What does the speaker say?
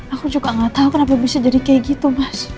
aku juga gak tahu kenapa bisa jadi kayak gitu mas